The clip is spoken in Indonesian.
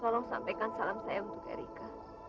tolong sampaikan salam saya untuk erika